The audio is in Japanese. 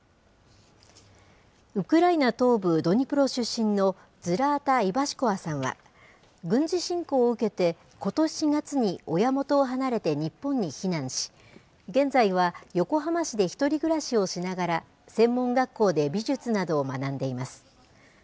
ウクライナ東部ドニプロ出身のズラータ・イヴァシコワさんは、軍事侵攻を受けて、ことし４月に親元を離れて日本に避難し、現在は横浜市で１人暮らしをしながら、専門学校で美術などを学んでいます。